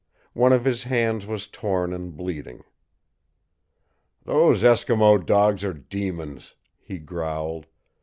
One of his hands was torn and bleeding. "Those Eskimo dogs are demons!" he growled.